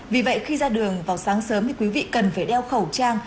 vì vậy khi ra đường vào sáng sớm thì quý vị cần phải đeo khẩu trang